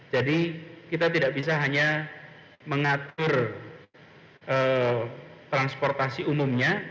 jadi kita tidak bisa hanya mengatur transportasi umumnya